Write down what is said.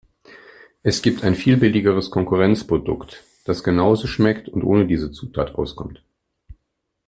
Es gibt ein viel billigeres Konkurrenzprodukt, das genauso schmeckt und ohne diese Zutat auskommt.